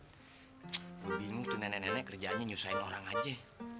tsk gue bingung tunan nenek nenek kerjaannya nyusahin orang aja